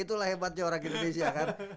itulah hebatnya orang indonesia kan